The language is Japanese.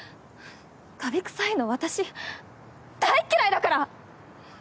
カビ臭いの私大っ嫌いだから！